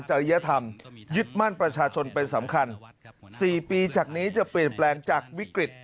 ริยธรรมยึดมั่นประชาชนเป็นสำคัญ๔ปีจากนี้จะเปลี่ยนแปลงจากวิกฤต